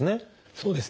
そうですね。